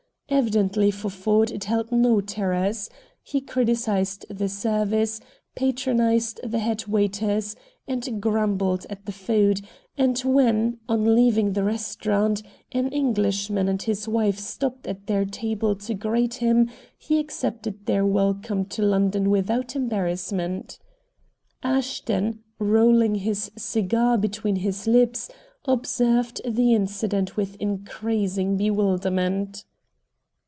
Evidently for Ford it held no terrors. He criticised the service, patronized the head waiters, and grumbled at the food; and when, on leaving the restaurant, an Englishman and his wife stopped at their table to greet him, he accepted their welcome to London without embarrassment. Ashton, rolling his cigar between his lips, observed the incident with increasing bewilderment.